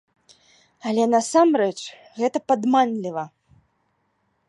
Але насамрэч гэта падманліва.